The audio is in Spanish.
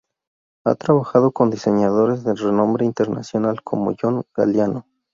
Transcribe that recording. Ha trabajado con diseñadores de renombre internacional como John Galliano.